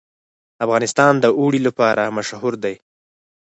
افغانستان د اوړي لپاره مشهور دی.